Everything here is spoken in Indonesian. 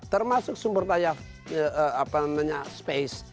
termasuk sumber daya apa namanya space